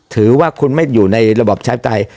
ถือว่าคุณไม่อยู่ในระบอบประชาธิปไตย